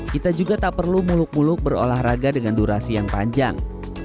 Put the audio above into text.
kita juga tak perlu muluk muluk berolahraga dengan durasi yang panjang